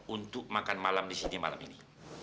untuk makan malam disini malam ini